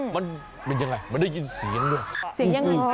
มันเป็นยังไงมันได้ยินเสียงด้วย